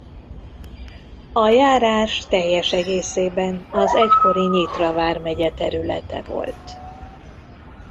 A járás teljes egészében az egykori Nyitra vármegye területe volt.